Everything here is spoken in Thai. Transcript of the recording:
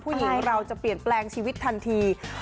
ผู้หญิงเราจะเปลี่ยนแปลงชีวิตทันที